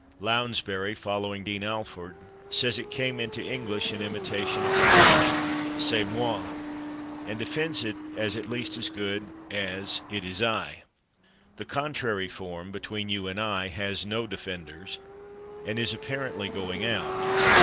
Lounsbury, following Dean Alford, says it came into English in imitation of the French /c'est moi/, and defends it as at least as good as "it is /I/." The contrary form, "between you and /I/," has no defenders, and is apparently going out.